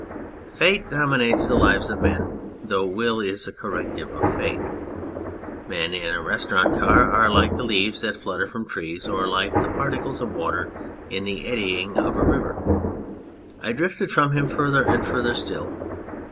Fate dominates the lives of men, though Will is a corrective of Fate. Men in a restaurant car are like the leaves that flutter from trees or like the particles of water in the eddying of a river. I drifted from him further and further still.